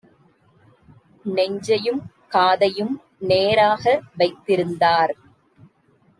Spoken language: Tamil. நெஞ்சையும் காதையும் நேராக வைத்திருந்தார்: